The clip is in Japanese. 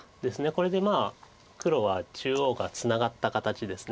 これでまあ黒は中央がツナがった形です。